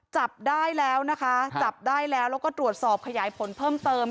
จับได้แล้วนะคะจับได้แล้วแล้วก็ตรวจสอบขยายผลเพิ่มเติม